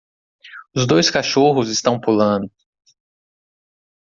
Os dois cachorros estão pulando.